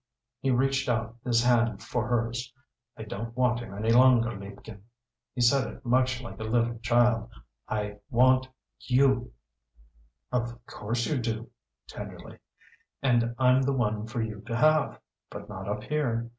He reached out his hand for hers. "I didn't want him any longer, liebchen," he said it much like a little child "I want you." "Of course you do," tenderly "and I'm the one for you to have. But not up here.